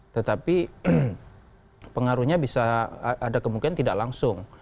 tetapi pengaruhnya bisa ada kemungkinan tidak langsung